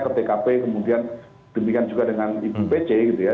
ke tkp kemudian demikian juga dengan ippc gitu ya